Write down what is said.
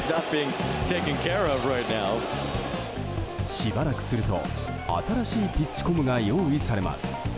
しばらくすると新しいピッチコムが用意されます。